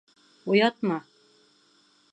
Уятма!